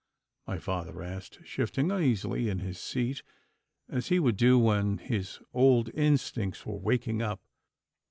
my father asked, shifting uneasily in his seat, as he would do when his old instincts were waking up.